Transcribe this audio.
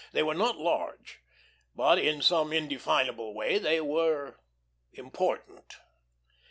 They were not large, but in some indefinable way they were important.